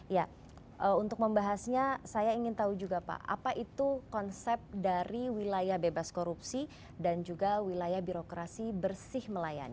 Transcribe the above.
ya untuk membahasnya saya ingin tahu juga pak apa itu konsep dari wilayah bebas korupsi dan juga wilayah birokrasi bersih melayani